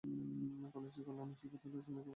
কলেজটি কল্যাণী শিল্পাঞ্চল স্টেশনের খুব কাছেই অবস্থিত।